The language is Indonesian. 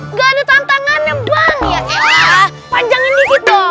enggak ada tantangannya